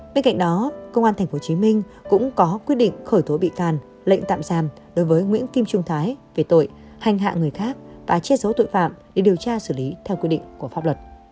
bên cạnh đó công an tp hcm cũng có quyết định khởi tố bị can lệnh tạm giam đối với nguyễn kim trung thái về tội hành hạ người khác và che giấu tội phạm để điều tra xử lý theo quy định của pháp luật